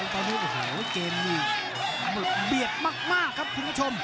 ตอนนี้โอ้โหเกมนี่เบียดมากครับคุณผู้ชม